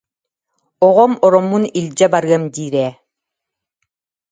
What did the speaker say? Оҕом ороммун илдьэ барыам диир ээ